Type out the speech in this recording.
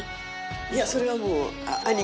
いやそれはもう。